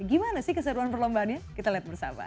gimana sih keseruan perlombaannya kita lihat bersama